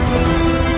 aku akan membunuhnya